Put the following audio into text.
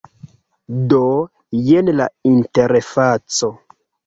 Do, jen la interfaco